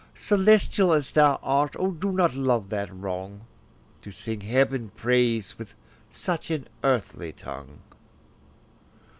Celestial as thou art, O do not love that wrong, To sing heaven's praise with such an earthly tongue.